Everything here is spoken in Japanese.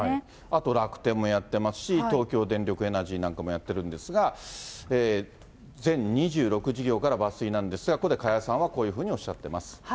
あと楽天もやってますし、東京電力エナジーなんかもやってるんですが、全２６事業から抜粋なんですが、ここで加谷さんはこういうふうにおっしゃってます。